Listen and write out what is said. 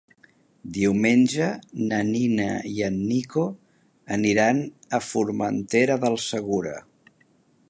Diumenge na Nina i en Nico aniran a Formentera del Segura.